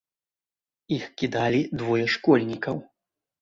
Іх кідалі двое школьнікаў.